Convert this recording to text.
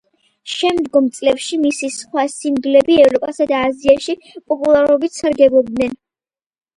შემდგომ წლებში მისი სხვა სინგლები ევროპასა და აზიაში პოპულარობით სარგებლობდნენ.